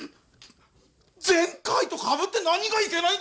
前回とかぶって何がいけないんですか！